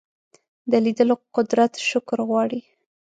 د لیدلو قدرت شکر غواړي